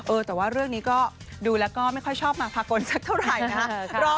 แต่ว่าเรื่องนี้ก็ดูแล้วก็ไม่ค่อยชอบมาพากลสักเท่าไหร่นะฮะ